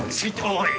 おい！